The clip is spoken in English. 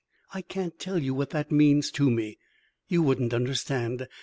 I can't tell you what that means to me you wouldn't understand.